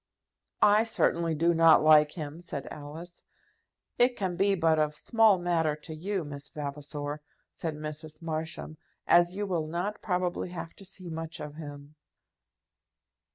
"I certainly do not like him," said Alice. "It can be but of small matter to you, Miss Vavasor," said Mrs. Marsham, "as you will not probably have to see much of him."